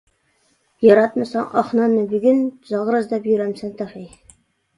ياراتمىساڭ ئاق ناننى بۈگۈن، زاغرا ئىزدەپ يۈرەمسەن تېخى.